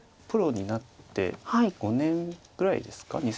プロになって５年ぐらいですか。